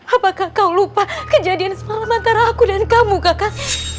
apakah kau lupa kejadian semalam antara aku dan kamu kakak